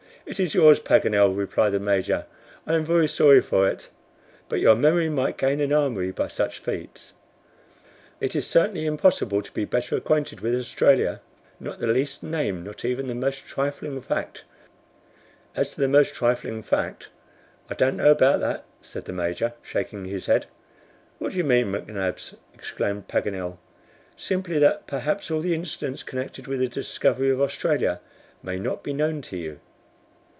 "It is yours, Paganel," replied the Major, "and I am very sorry for it; but your memory might gain an armory by such feats." "It is certainly impossible to be better acquainted with Australia; not the least name, not even the most trifling fact " "As to the most trifling fact, I don't know about that," said the Major, shaking his head. "What do you mean, McNabbs?" exclaimed Paganel. "Simply that perhaps all the incidents connected with the discovery of Australia may not be known to you."